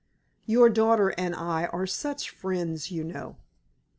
Your daughter and I are such friends, you know."